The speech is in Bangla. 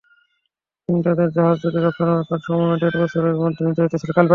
কিন্তু তাদের জাহাজ দুটির রক্ষণাবেক্ষণের সময়ও দেড় বছরের মধ্যে নির্ধারিত ছিল।